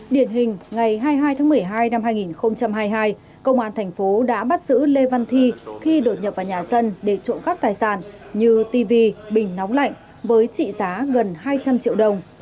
điển hình ngày hai mươi hai tháng một mươi hai năm hai nghìn hai mươi hai công an thành phố đã bắt giữ lê văn thi khi đột nhập vào nhà dân để trộm cắp tài sản như tv bình nóng lạnh với trị giá gần hai trăm linh triệu đồng